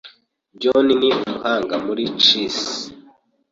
John ni umuhanga muri chess.